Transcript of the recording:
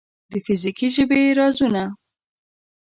د فزیکي ژبې رازونه